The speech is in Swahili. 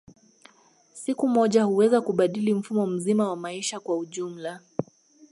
Siku moja huweza kubadili mfumo mzima wa maisha kwa ujumla